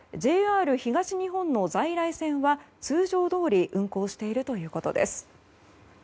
ＪＲ東日本の在来線は通常どおり運行しているということです。